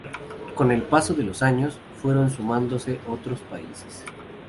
Con el paso de los años, fueron sumándose otros países.